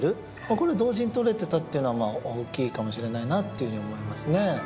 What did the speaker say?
これ同時に摂れてたっていうのは大きいかもしれないなっていうふうに思いますね。